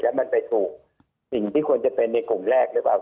แล้วมันไปถูกสิ่งที่ควรจะเป็นในกลุ่มแรกหรือเปล่า